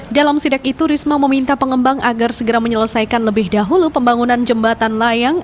dalam sidak itu risma meminta pengembang agar segera menyelesaikan lebih dahulu pembangunan jembatan layang